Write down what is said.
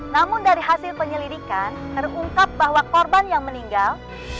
namun dari hasil penyelidikan terungkap bahwa korban yang meninggal